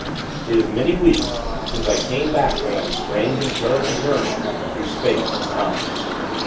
It is many weeks, since I came back from that strange and terrible journey through space and time.